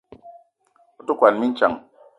A te kwuan mintsang.